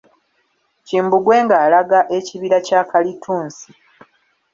Kimbugwe ng'alaga ekibira kya Kalittunsi.